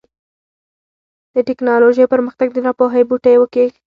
د ټيکنالوژۍ پرمختګ د ناپوهۍ بوټی وکېښ.